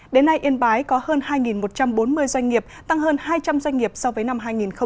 đến nay yên bái có hơn hai một trăm bốn mươi doanh nghiệp tăng hơn hai trăm linh doanh nghiệp so với năm hai nghìn một mươi tám